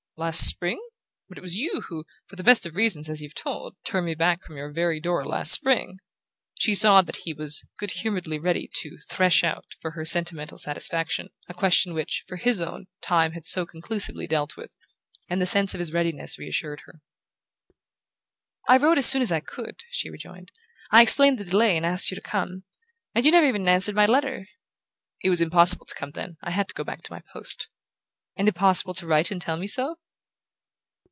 Last spring? But it was you who for the best of reasons, as you've told me turned me back from your very door last spring!" She saw that he was good humouredly ready to "thresh out," for her sentimental satisfaction, a question which, for his own, Time had so conclusively dealt with; and the sense of his readiness reassured her. "I wrote as soon as I could," she rejoined. "I explained the delay and asked you to come. And you never even answered my letter." "It was impossible to come then. I had to go back to my post." "And impossible to write and tell me so?"